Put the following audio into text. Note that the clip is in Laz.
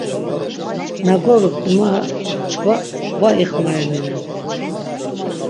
Na gorupt numara çkva va ixmarininen.